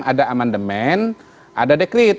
ada amandemen ada dekret